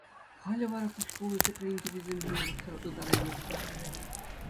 Халӗ вара куҫ тулли тӗпренчӗкӗсем ҫине пӑхса ытараймаҫҫӗ.